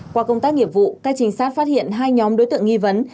qua công tác nghiệp vụ các trinh sát phát hiện hai nhóm đối tượng nghi vấn